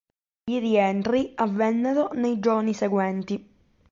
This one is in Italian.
I rientri avvennero nei giorni seguenti.